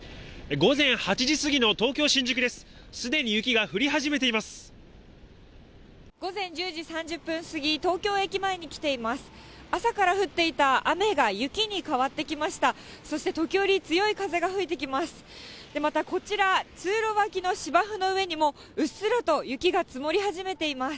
午前１０時３０分過ぎ、東京駅前に来ています。